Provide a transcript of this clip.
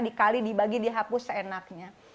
dikali dibagi dihapus seenaknya